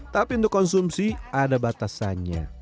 tapi untuk konsumsi ada batasannya